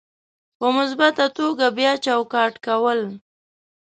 په مثبته توګه بیا چوکاټ کول: